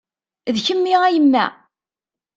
D kemmi a yemma?